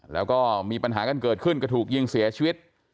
แล้วก็มีปัญหากันเกิดขึ้นก็ถูกยิงเสียชีวิต